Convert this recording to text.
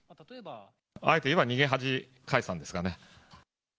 あえて言えば、逃げ恥解散ですかね。